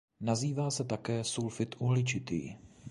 Nazývá se také sulfid uhličitý.